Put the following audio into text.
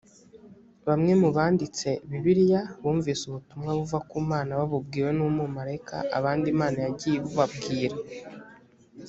bamwe mu banditse bibiliya bumvise ubutumwa buva ku mana babubwiwe n umumarayika abandi imana yagiye ibubabwira